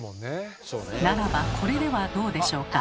ならばこれではどうでしょうか？